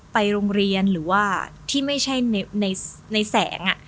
ไปโรงเรียนหรือว่าที่ไม่ใช่ในแสง